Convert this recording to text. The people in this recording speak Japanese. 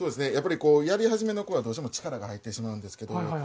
やっぱりやり始めの頃はどうしても力が入ってしまうんですけど